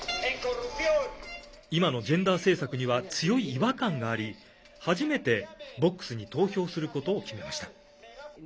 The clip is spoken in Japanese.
今のジェンダー政策には強い違和感があり初めてボックスに投票することを決めました。